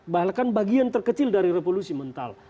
bahkan bagian terkecil dari revolusi mental